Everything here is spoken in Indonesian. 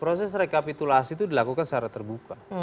proses rekapitulasi itu dilakukan secara terbuka